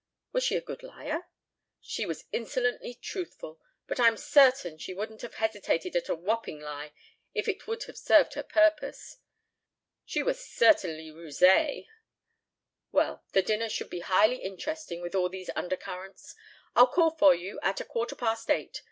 "Was she a good liar?" "She was insolently truthful, but I'm certain she wouldn't have hesitated at a whopping lie if it would have served her purpose. She was certainly rusée." "Well, the dinner should be highly interesting with all these undercurrents. I'll call for you at a quarter past eight.